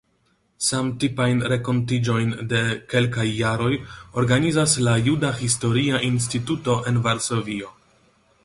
Samtipajn renkontiĝojn de kelkaj jaroj organizas la Juda Historia Instituto en Varsovio.